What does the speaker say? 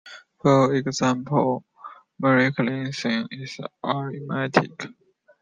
For example, microlensing is achromatic.